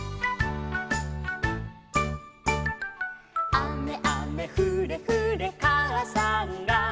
「あめあめふれふれかあさんが」